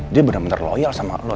dia bener bener loyal sama lu